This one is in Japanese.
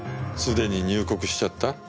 既に入国しちゃった？